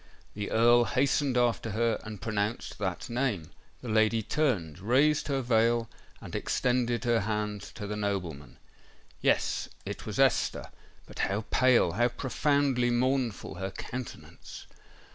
The Earl hastened after her, and pronounced that name. The lady turned—raised her veil—and extended her hand to the nobleman. Yes—it was Esther;—but how pale—how profoundly mournful her countenance!